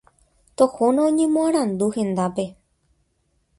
Tohóna oñemoarandu hendápe.